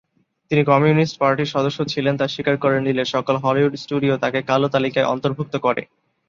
তিনি কমিউনিস্ট পার্টির সদস্য ছিলেন তা স্বীকার করে নিলে সকল হলিউড স্টুডিও তাকে কালোতালিকায় অন্তর্ভুক্ত করে।